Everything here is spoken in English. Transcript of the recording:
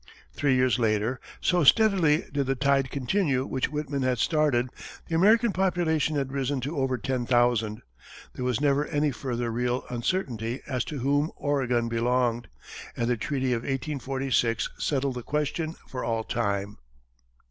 Three years later, so steadily did the tide continue which Whitman had started, the American population had risen to over ten thousand, there was never any further real uncertainty as to whom Oregon belonged, and the treaty of 1846 settled the question for all time.